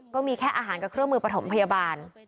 ก็มีแค่อาหารกับเครื่องมือประถมพยาบาล